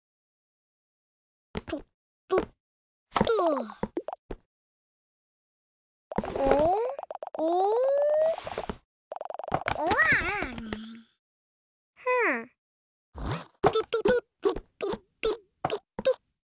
とととっとっとっとっ。